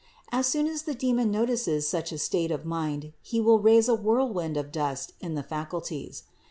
As soon as the demon notices such a state of mind he will raise a whirlwind of dust in the faculties.